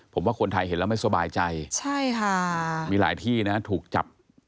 ผมว่าคนไทยเห็นแล้วไม่สบายใจใช่ค่ะมีหลายที่นะถูกจับ